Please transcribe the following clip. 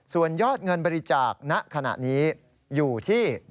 ส่วนยอดเงินบริจาคณขณะนี้อยู่ที่